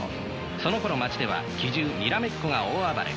そのころ街では奇獣にらめっこが大暴れ。